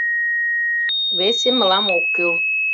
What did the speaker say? Весе мылам ок кӱл.